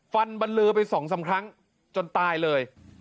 ฟันบรรลือไปสองสามครั้งจนตายเลย